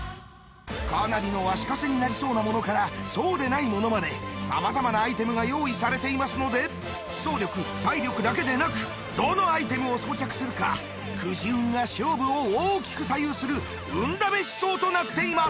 かなりの足かせになりそうなものからそうでないものまでさまざまなアイテムが用意されていますので走力体力だけでなくどのアイテムを装着するかくじ運が勝負を大きく左右する運試し走となっています。